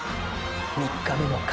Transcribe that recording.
３日目の観